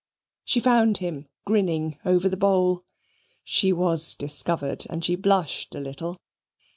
She found him grinning over the bowl. She was discovered, and she blushed a little.